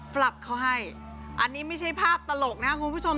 ปรับเขาให้อันนี้ไม่ใช่ภาพตลกนะครับคุณผู้ชม